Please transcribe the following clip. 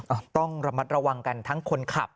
อ่ะต้องระมัดระวังกันทั้งคนขับ